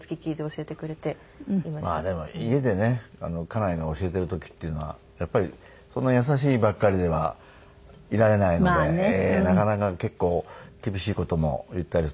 家内が教えてる時っていうのはやっぱりそんな優しいばっかりではいられないのでなかなか結構厳しい事も言ったり。